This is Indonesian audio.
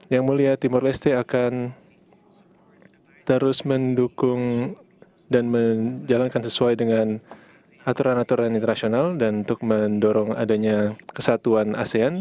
yang mulia timur leste akan terus mendukung dan menjalankan sesuai dengan aturan aturan internasional dan untuk mendorong adanya kesatuan asean